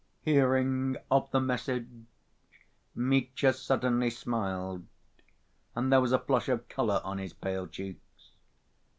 Hearing of the message, Mitya suddenly smiled, and there was a flush of color on his pale cheeks.